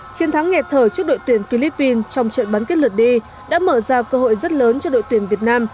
chiến thắng nghẹt thở trước đội tuyển philippines trong trận bắn kết lượt đi đã mở ra cơ hội rất lớn cho đội tuyển việt nam